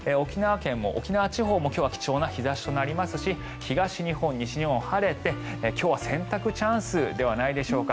沖縄地方も今日は貴重な日差しとなりますし東日本、西日本は晴れて今日は洗濯チャンスじゃないでしょうか。